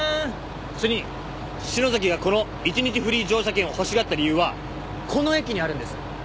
主任篠崎がこの１日フリー乗車券を欲しがった理由はこの駅にあるんです。